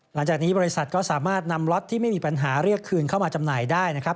หลังจากนี้บริษัทก็สามารถนำล็อตที่ไม่มีปัญหาเรียกคืนเข้ามาจำหน่ายได้นะครับ